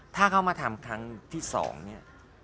ถ้าเขามาทำครั้งที่๒เนี่ย